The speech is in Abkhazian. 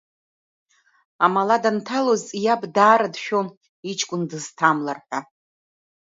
Амала данҭалоз, иаб даара дшәон иҷкәын дызҭамлар ҳәа.